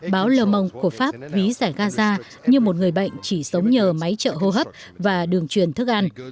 báo le momong của pháp ví giải gaza như một người bệnh chỉ sống nhờ máy trợ hô hấp và đường truyền thức ăn